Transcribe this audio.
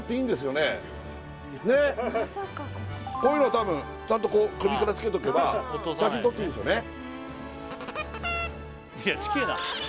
こういうの多分ちゃんとこう首からつけとけば写真撮っていいですよね？